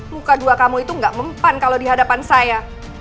muka dua kamu itu nggak mempan kalau di hadapan saya